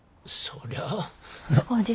そりゃあ。